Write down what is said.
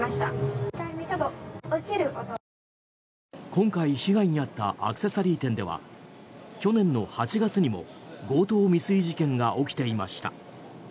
今回被害に遭ったアクセサリー店では去年の８月にも強盗未遂事件が起きていました。